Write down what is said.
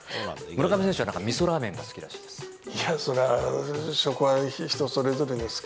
村上選手は、なんかみそラーメンが好きだそうです。